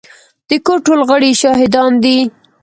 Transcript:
د کور ټول غړي يې شاهدان دي.